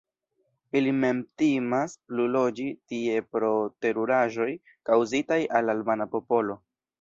Ili mem timas pluloĝi tie pro teruraĵoj kaŭzitaj al albana popolo.